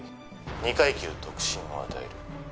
「二階級特進を与える。